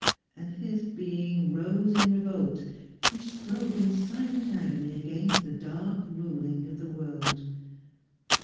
And his being rose in revolt; he strove in silent agony against the dark ruling of the world.